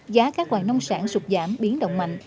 giá các loài nông sản sụp giảm biến động mạnh